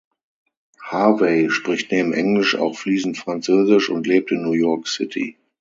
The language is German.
Harvey spricht neben Englisch auch fließend Französisch und lebt in New York City.